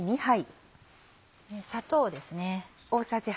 砂糖ですね。